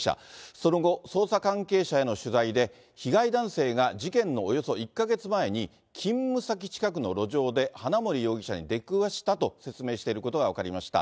その後、捜査関係者への取材で、被害男性が事件のおよそ１か月前に、勤務先近くの路上で、花森容疑者に出くわしたと説明していることが分かりました。